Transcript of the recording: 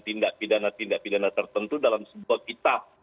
tindak pidana tindak pidana tertentu dalam sebuah kitab